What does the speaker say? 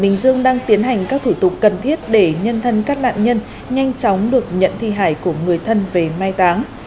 bình dương đang tiến hành các thủ tục cần thiết để nhân thân các nạn nhân nhanh chóng được nhận thi hài của người thân về mai táng